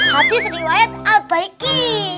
hadis riwayat al baiki